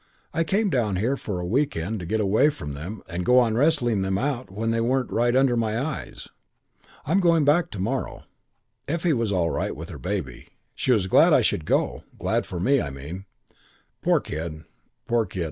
I came down here for a week end to get away from them and go on wrestling them out when they weren't right under my eyes. I'm going back to morrow. Effie was all right with her baby. She was glad I should go glad for me, I mean. Poor kid, poor kid.